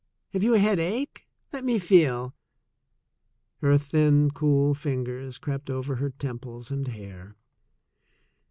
Have you a headache? Let me feel." Her thin cool fingers crept over her temples and hair.